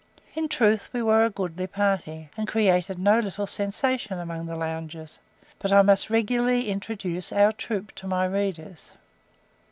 In truth, we were a goodly party, and created no little sensation among the loungers but I must regularly introduce our troop to my readers.